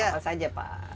apa saja pak